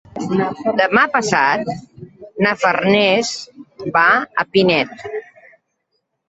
Demà passat na Farners va a Pinet.